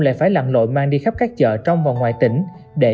lại phải lặn lội mang đi khắp các chợ trong và ngoài tỉnh